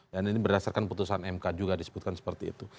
dan ini berdasarkan putusan mk juga disebutkan seperti itu